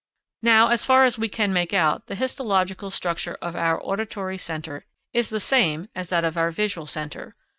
Now, so far as we can make out, the histological structure of our auditory centre is the same as that of our visual centre.